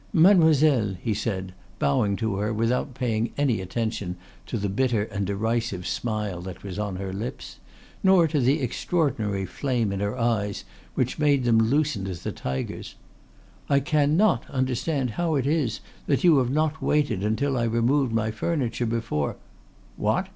"Mademoiselle," he said, bowing to her without paying any attention to the bitter and derisive smile that was on her lips, nor to the extraordinary flame in her eyes which made them lucent as a tiger's, "I cannot understand how it is that you have not waited until I removed my furniture before " "What!"